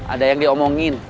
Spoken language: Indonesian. ada yang diomongin